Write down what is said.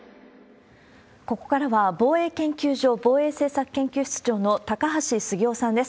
ここからは、防衛研究所防衛政策研究室長の高橋杉雄さんです。